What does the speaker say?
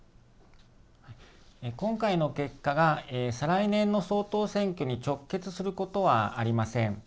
今回の結果が再来年の総統選挙に直結することはありません。